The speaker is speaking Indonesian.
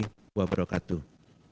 wassalamu'alaikum warahmatullahi wabarakatuh